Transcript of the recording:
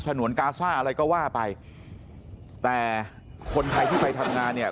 นวนกาซ่าอะไรก็ว่าไปแต่คนไทยที่ไปทำงานเนี่ย